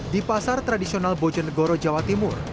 di pasar tradisional bojonegoro jawa timur